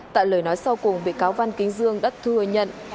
tại lời nói sau cùng bệ cáo văn kinh dương đã thừa nhận